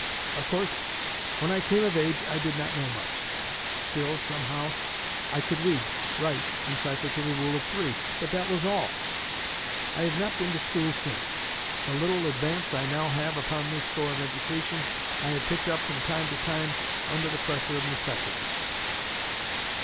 Of course when I came of age I did not know much. Still, somehow, I could read, write, and cipher to the Rule of Three, but that was all. I have not been to school since. The little advance I now have upon this store of education, I have picked up from time to time under the pressure of necessity.